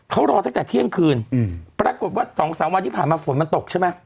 เขารอตั้งแต่เที่ยงคืนปรากฏว่า๒๓วันที่ผ่านมาฝนมันตกใช่ไหม